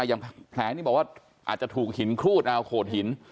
อย่างแผลนี่บอกว่าอาจจะถูกหินครูดเอาโขดหิน